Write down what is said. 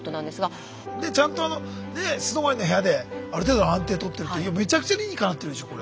ちゃんとあのねえ素泊まりの部屋である程度の安定とってるってめちゃくちゃ理にかなってるでしょこれ。